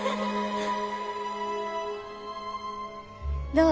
どう？